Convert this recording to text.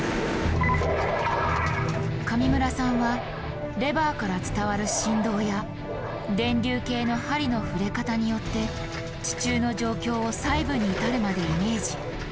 上村さんは「レバーから伝わる振動」や「電流計の針の振れ方」によって地中の状況を細部に至るまでイメージ。